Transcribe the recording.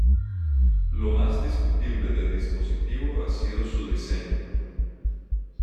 Lo más discutible del dispositivo ha sido su diseño.